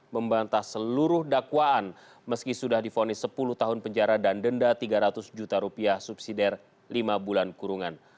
membantah seluruh dakwaan meski sudah difonis sepuluh tahun penjara dan denda tiga ratus juta rupiah subsidi lima bulan kurungan